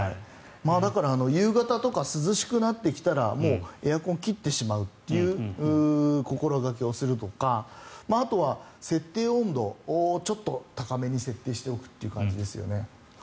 だから夕方とか涼しくなってきたらもうエアコンを切ってしまうという心掛けをするとかあとは、設定温度をちょっと高めに設定しておくという感じですよね。